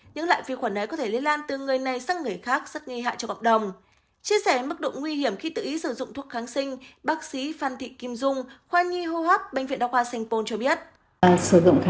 những loại vi khuẩn ấy có thể liên lan từ người này sang người khác rất nghi hại cho cộng đồng